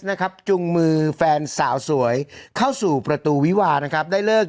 จุงมือแฟนสาวสวยเข้าสู่ประตูวิวานะครับได้เลิก